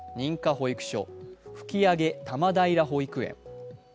保育所吹上多摩平保育園。